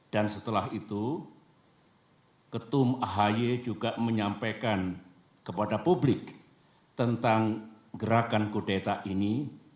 dan setelah itu ketum ahi juga menyampaikan kepada publik tentang gerakan kudeta ini